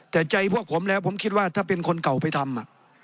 แต่ใจพวกผมแล้วผมคิดว่าถ้าเป็นคนเก่าไปทำ